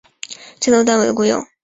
战斗单位的雇用。